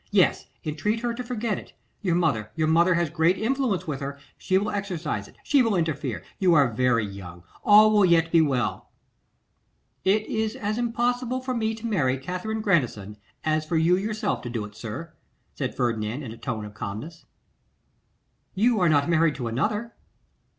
Yes! entreat her to forget it; your mother, your mother has great influence with her; she will exercise it, she will interfere; you are very young, all will yet be well.' 'It is as impossible for me to marry Katherine Grandison, as for you yourself to do it, sir,' said Ferdinand, in a tone of calmness. 'You are not married to another?